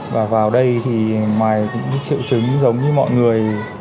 và vào đây thì ngoài những triệu chứng giống như mọi người